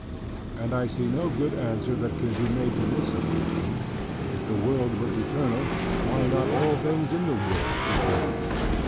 And I see no good answer that can be made to this objection: if the world were eternal, why not all things in the world eternal?